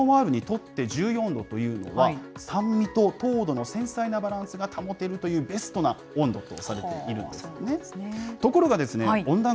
このピノ・ノワールにとって、１４度というのは、酸味と糖度の繊細なバランスが保てるという、ベストな温度とされているんです。